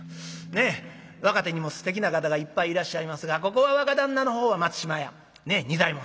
ねえ若手にもすてきな方がいっぱいいらっしゃいますがここは若旦那のほうは松嶋屋ねえ仁左衛門さん。